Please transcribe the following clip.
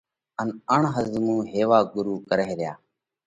ان اڻ ۿزمُو هيوا ڳرُو ڪرئه ريا.